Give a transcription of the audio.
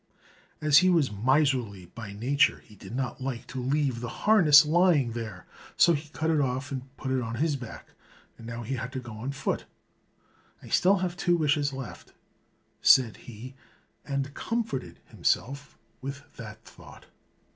As he was miserly by nature, he did not like to leave the harness lying there; so he cut it off, and put it on his back; and now he had to go on foot. "I have still two wishes left," said he, and comforted himself with that thought.